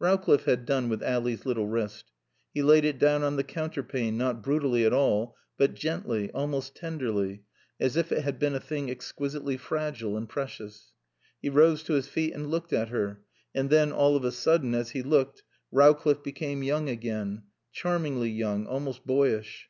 Rowcliffe had done with Ally's little wrist. He laid it down on the counterpane, not brutally at all, but gently, almost tenderly, as if it had been a thing exquisitely fragile and precious. He rose to his feet and looked at her, and then, all of a sudden, as he looked, Rowcliffe became young again; charmingly young, almost boyish.